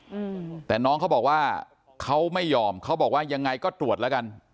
อืมแต่น้องเขาบอกว่าเขาไม่ยอมเขาบอกว่ายังไงก็ตรวจแล้วกัน